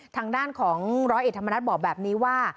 ทางด้านของร้อยเอกธรรมนัฐบอกแบบนี้ว่า